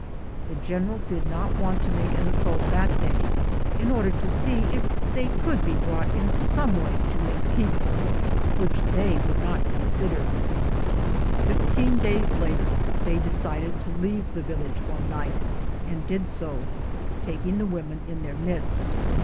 The general did not want to make an assault that day, in order to see if they could be brought in some way to make peace, which they would not Fifteen days later they decided to leave the*village one night, and did so, taking the women in their midst.